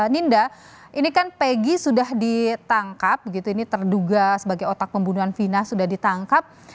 ninda ini kan peggy sudah ditangkap terduga sebagai otak pembunuhan vina sudah ditangkap